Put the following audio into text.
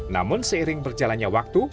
namun seiring berjalannya waktu